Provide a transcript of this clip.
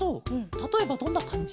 たとえばどんなかんじ？